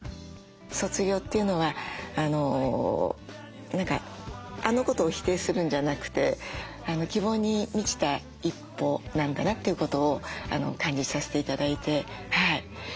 卒業というのは何かあのことを否定するんじゃなくて希望に満ちた一歩なんだなということを感じさせて頂いて。